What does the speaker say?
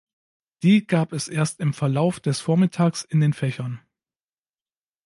Die gab es erst im Verlauf des Vormittags in den Fächern.